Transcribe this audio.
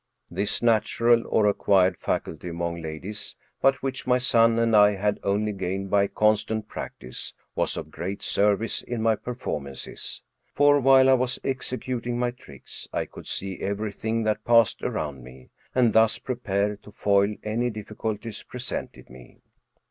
This natural, or acquired, faculty among ladies, but which my son and I had only gained by constant practice, was of great service in my performances, for while! was executing my tricks, I could see everjrthing that passed around me, and thus prepare to foil any difficulties presented me.